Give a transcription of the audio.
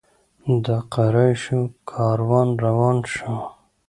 د قریشو کاروان روان شو.